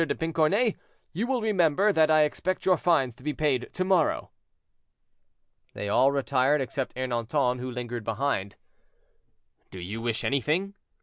de Pincornay, you will remember that I expect your fines to be paid to morrow." They all retired except Ernanton, who lingered behind. "Do you wish anything?"